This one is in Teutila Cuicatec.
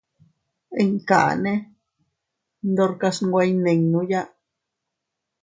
Inñakane ndorkas iynweiyninuya.